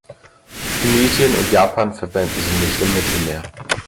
Tunesien und Japan verwenden sie nicht im Mittelmeer.